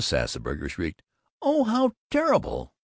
Sassburger shrieked, "Oh, how terrible!"